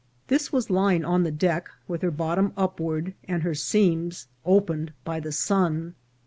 This was lying on the deck, with her bottom upward and her seams opened by the sun.